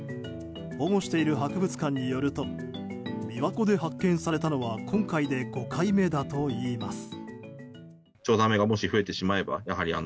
保護している博物館によると琵琶湖で発見されたのは今回で５回目だといいます。